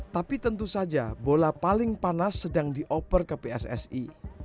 tapi tentu saja bola paling panas sedang dioper ke pssi